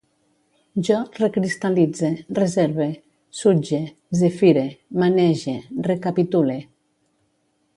Jo recristal·litze, reserve, sutge, zefire, manege, recapitule